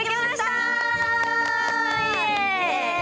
イエーイ！